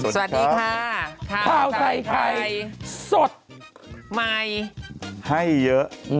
สวัสดีค่ะข้าวใส่ไข่สดใหม่ให้เยอะ